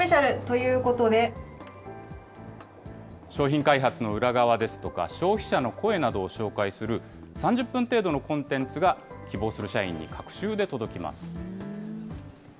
商品開発の裏側ですとか、消費者の声などを紹介する、３０分程度のコンテンツが希望する社員に隔週で届きます。